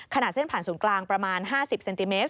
ขนาดเส้นผ่านศูนย์กลางประมาณ๕๐เซนติเมตร